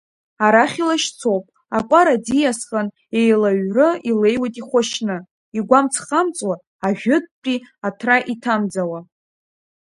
Арахь илашьцоуп, акәара ӡиасхан, еилаҩры илеиуеит ихәашьны, игәамҵ-хамҵуа, ажәытәтәи аҭра иҭамӡауа.